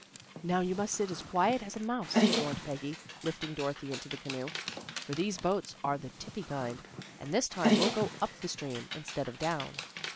"Now, you must sit as quiet as a mouse," warned Peggy, lifting Dorothy into the canoe. "For these boats are the tippy kind. And this time we'll go up stream instead of down."